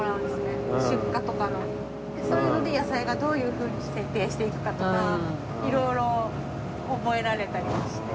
そういうので野菜がどういうふうに剪定していくかとか色々覚えられたりもして。